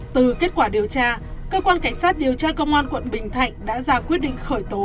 từ kết quả điều tra cơ quan cảnh sát điều tra công an quận bình thạnh đã ra quyết định khởi tố